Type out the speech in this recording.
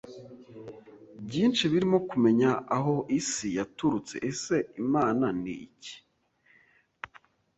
byinshi birimo kumenya aho isi yaturutse, ese Imana ni iki?